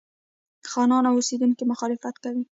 خانان او اوسېدونکي مخالفت کوي.